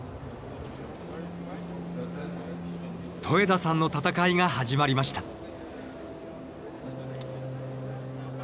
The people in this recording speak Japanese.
戸枝さんの戦いが始まりました。